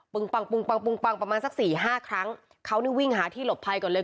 ปังปุงปังปุงปังประมาณสักสี่ห้าครั้งเขานี่วิ่งหาที่หลบภัยก่อนเลย